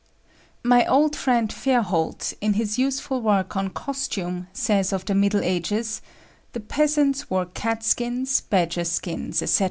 My old friend Fairholt, in his useful work on costume, says of the Middle Ages: "The peasants wore cat skins, badger skins, etc."